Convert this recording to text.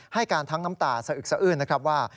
ให้การทั้งน้ำตาสะอึกสะอื้นนะครับว่า